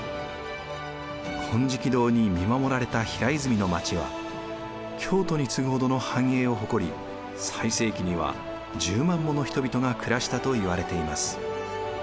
金色堂に見守られた平泉の町は京都に次ぐほどの繁栄を誇り最盛期には１０万もの人々が暮らしたといわれています。